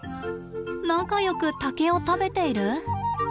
仲よく竹を食べている？